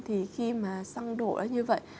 thì khi mà xăng đổ ra như vậy